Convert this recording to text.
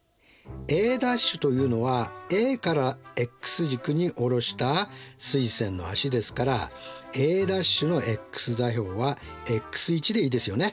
Ａ’というのはＡからｘ軸に下ろした垂線の足ですからＡ’のｘ座標はｘでいいですよね。